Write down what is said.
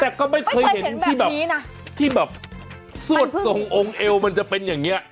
แต่ก็ไม่เคยเห็นที่แบบที่แบบสวดทรงองค์เอวมันจะเป็นอย่างนี้